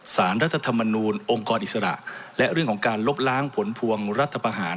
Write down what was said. สารรัฐธรรมนูลองค์กรอิสระและเรื่องของการลบล้างผลพวงรัฐประหาร